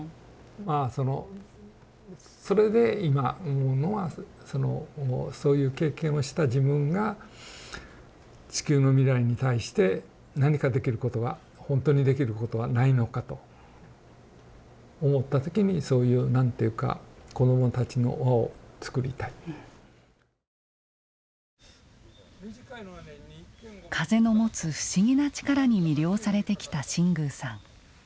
まあそのそれで今思うのはそのそういう経験をした自分が地球の未来に対して何かできることはほんとにできることはないのかと思った時にそういうなんていうか風の持つ不思議なちからに魅了されてきた新宮さん。